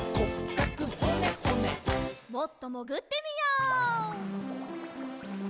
もっともぐってみよう。